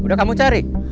udah kamu cari